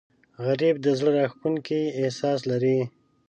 غریب د زړه راښکونکی احساس لري